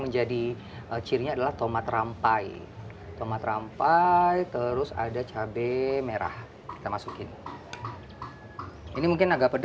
menjadi cirinya adalah tomat rampai tomat rampai terus ada cabai merah kita masukin ini mungkin agak pedas